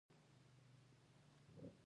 افغانستان په خپلو چرګانو باندې تکیه لري.